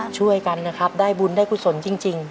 ช่วยกันนะครับได้บุญได้กุศลจริง